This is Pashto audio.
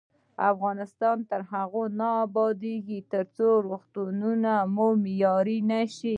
افغانستان تر هغو نه ابادیږي، ترڅو روغتونونه مو معیاري نشي.